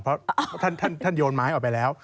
เพราะท่านโยนไม้ออกไปแล้ว